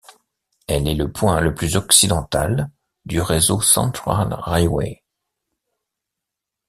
Elle est le point le plus occidental du réseau Central Railway.